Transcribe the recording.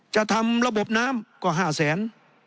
จะทำระบบน้ำกว่า๕แสน